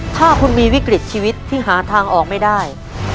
ถ้าคุณมีวิกฤตชีวิตที่หาทางออกไม่ได้